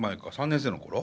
３年生の頃？